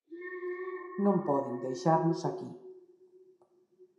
Non poden deixarnos aquí.